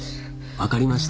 分かりました。